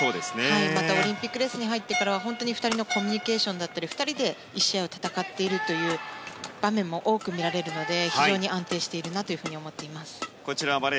また、オリンピックレースに入ってからは本当に２人のコミュニケーションだったり２人で１試合を戦っているという場面も多く見られるので非常に安定しているなと思っています。